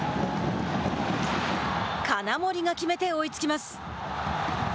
金森が決めて追いつきます。